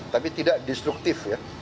tapi tidak destruktif